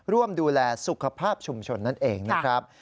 ร่วมดูแลสุขภาพชุมชนนั่นเองนะครับ